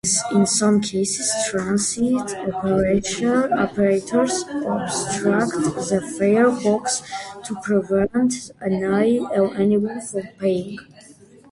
In some cases, transit operators obstruct the fare box to prevent anyone from paying.